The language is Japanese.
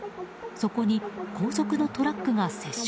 そこに後続のトラックが接触。